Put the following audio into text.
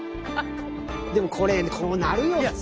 でもこれこうなるよ普通。